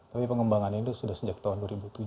tapi pengembangannya itu sudah sejak tahun dua ribu tujuh